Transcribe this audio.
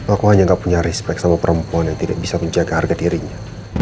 aku hanya gak punya respect sama perempuan yang tidak bisa menjaga harga dirinya